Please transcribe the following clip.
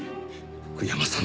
福山さん。